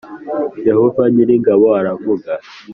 Yehova nyir ingabo aravuga